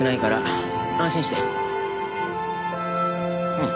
うん。